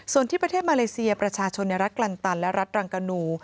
ส่วนที่ประเทศมาเลเซียประชาชนในรัฐกลันตันและรัฐรังกานู